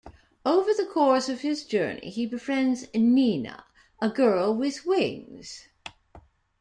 Over the course of his journey, he befriends Nina, a girl with wings.